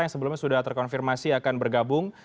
yang sebelumnya sudah terkonfirmasi akan bergabung